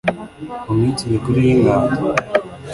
Mu minsi mikuru y'ingando